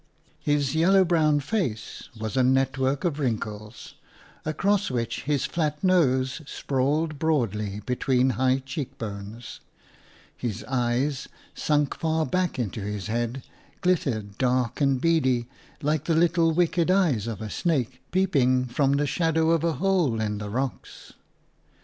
His yellow brown face was a network of wrinkles, across which his flat nose sprawled broadly between high cheekbones ; his eyes, sunk far back into his head, glittered dark and beady like the little wicked eyes of a snake peeping from the shadow of a hole in PLACE AND PEOPLE 5 the rocks.